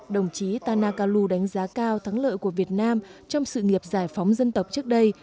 đồng chí tanaka lu đánh giá cao thắng lợi của việt nam trong sự nghiệp giải phóng dân tộc trước đây